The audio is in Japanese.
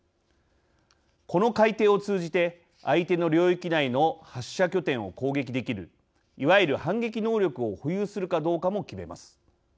この改定を通じて相手の領域内の発射拠点を攻撃できるいわゆる「反撃能力」を保有するかどうかも決めます。